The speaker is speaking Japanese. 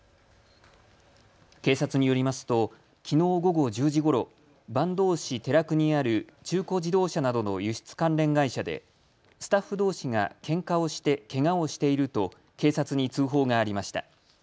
警察によりますときのう午後１０時ごろ、坂東市寺久にある中古自動車などの輸出関連会社でスタッフどうしがけんかをして、けがをしていると警察に通報がありました。